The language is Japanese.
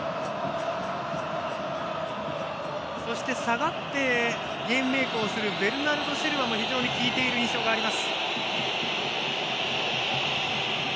そして下がってゲームメイクをするベルナルド・シルバも非常に効いている印象があります。